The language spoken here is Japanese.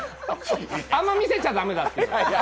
あんま見せちゃ駄目だっていう。